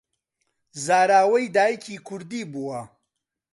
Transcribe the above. زاراوەی دایکی کوردی بووە